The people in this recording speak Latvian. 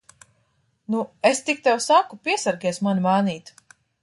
Nu, es tik tev saku, piesargies mani mānīt!